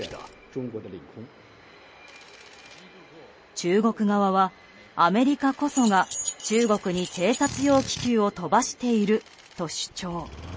中国側はアメリカこそが中国に偵察用気球を飛ばしていると主張。